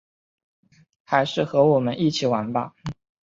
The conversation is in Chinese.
还是和我们一起来玩吧